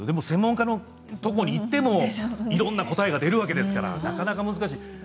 専門家のところに行ってもいろんな答えが出るわけですからなかなか難しい。